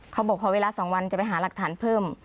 เขาบอกขอเวลา๒วันจะไปหาหลักฐานเพิ่ม